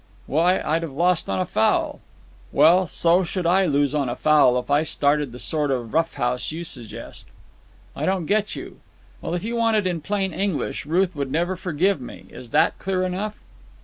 "Why, I'd have lost on a foul." "Well, so should I lose on a foul if I started the sort of rough house you suggest." "I don't get you." "Well, if you want it in plain English, Ruth would never forgive me. Is that clear enough?"